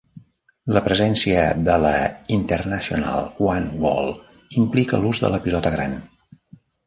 La presència de la International One Wall implica l'ús de la pilota gran.